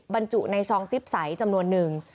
บรรจุในซองซิปใสจำนวนหนึ่ง